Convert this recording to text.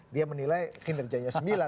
dia menilai kinerjanya sembilan